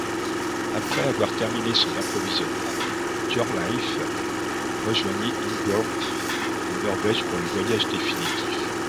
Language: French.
Après avoir terminé son approvisionnement, Hjörleifr rejoignit Ingólfr en Norvège pour le voyage définitif.